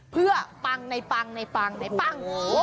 เพื่อปังในปังในปังในปัง